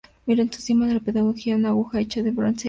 En su cima, la pagoda tiene una aguja hecha de bronce y hierro.